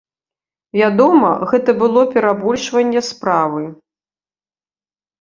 Вядома, гэта было перабольшванне справы.